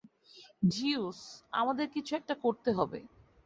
Zeus, আমাদের একটা কিছু করতে হবে।